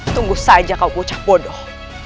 tunggu saja kau bocah bodoh